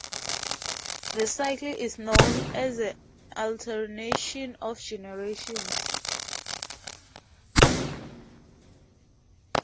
This cycle is known as alternation of generations.